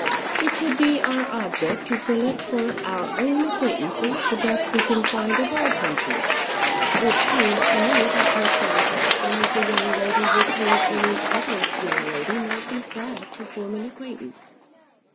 It should be our object to select for our own acquaintances the best we can find of all countries. It seems to me that Miss Boncassen is a young lady with whom any other young lady might be glad to form an acquaintance."